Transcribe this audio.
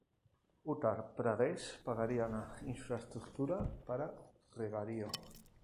Uttar Pradesh pagaría la infraestructura para regadío.